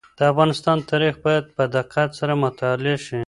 د افغانستان تاریخ باید په دقت سره مطالعه شي.